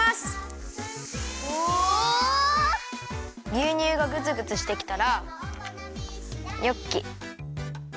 ぎゅうにゅうがグツグツしてきたらニョッキ。